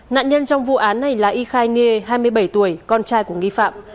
nạn nhân trong vụ án này là y khai nghê hai mươi bảy tuổi con trai của nghi phạm